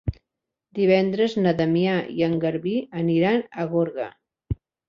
Divendres na Damià i en Garbí aniran a Gorga.